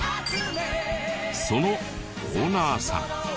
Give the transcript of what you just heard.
そのオーナーさん。